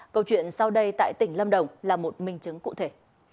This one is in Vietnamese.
câu chuyện sau đây tại tỉnh lâm đồng là một minh chứng cụ thể